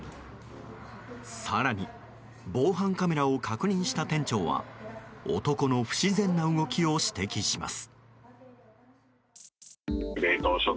更に防犯カメラを確認した店長は男の不自然な動きを指摘します。